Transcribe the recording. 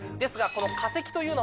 この化石というのは。